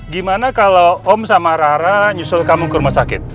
gimana kalau om sama rara nyusul kamu ke rumah sakit